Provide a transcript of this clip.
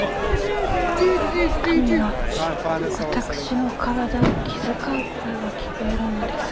民が私の体を気遣う声は聞こえるのですが。